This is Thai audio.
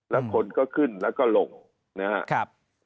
แล้วคนก็ขึ้นแล้วก็ลงนะครับ